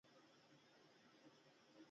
اوبه په راتلونکي کې لویه شتمني ده.